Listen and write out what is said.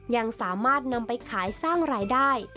ยังสามารถนำไปขายสร้างรายได้